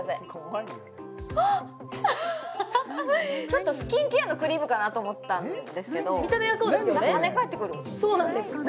ちょっとスキンケアのクリームかなと思ったんですけどそうなんです